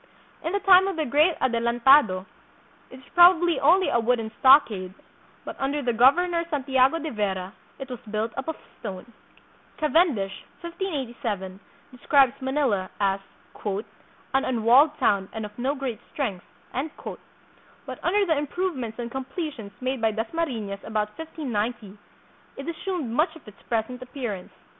In the time of the great Adelantado it was probably only a wooden stockade, but under the governor Santiago de Vera it was built up of stone. Cavendish (1587) describes Manila as "an unwalled town and of no great strength," but under the improvements and completions made by Das mariiias about 1590 it assumed much of its present ap pearance.